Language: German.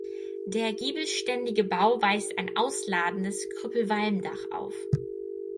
Der giebelständige Bau weist ein ausladendes Krüppelwalmdach auf.